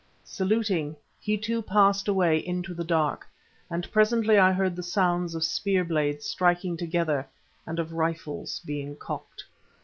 Saluting, he too passed away into the dark, and presently I heard the sounds of spear blades striking together and of rifles being cocked.